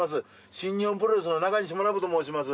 新日本プロレスの中西学と申します。